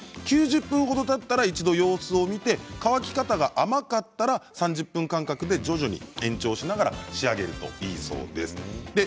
９０分程たったら一度様子を見て乾き方が甘かったら３０分間隔で徐々に延長しながら仕上げるといいそうです。